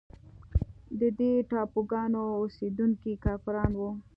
د دې ټاپوګانو اوسېدونکي کافران وه.